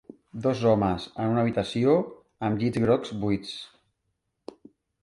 Dos homes en una habitació amb llits grocs buits.